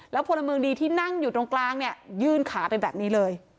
พลเมืองดีที่นั่งอยู่ตรงกลางเนี่ยยื่นขาไปแบบนี้เลย